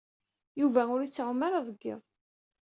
Yuba ur yettɛumu ara deg yiḍ.